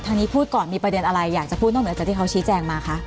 นี้พูดก่อนมีประเด็นอะไรอยากจะพูดนอกเหนือจากที่เขาชี้แจงมาคะ